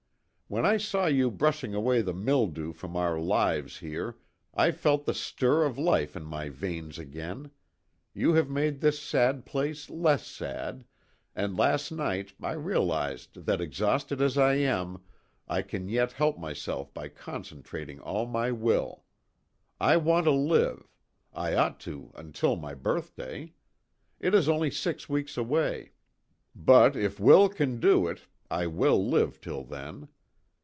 When I saw you brushing away the mildew from our lives here, I felt the stir of life in my veins again you have made this sad place less sad and last night I realized that exhausted as I am I can yet help myself by concentrating all my will. I want to live I ought to until my birthday. It is only six weeks away but if will can do it I will live till then.